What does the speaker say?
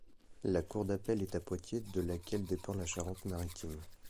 La cour d'appel est à Poitiers de laquelle dépend la Charente-Maritime.